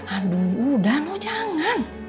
aduh udah noh jangan